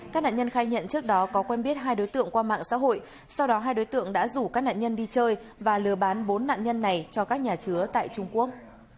các nạn nhân khai nhận trước đó có quen biết hai đối tượng qua mạng xã hội sau đó hai đối tượng đã rủ các nạn nhân đi chơi và lừa bán bốn nạn nhân này cho các nhà chứa tại trung quốc